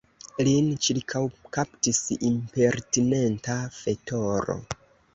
Lin ĉirkaŭkaptis impertinenta fetoro.